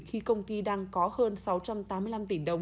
khi công ty đang có hơn sáu trăm tám mươi năm tỷ đồng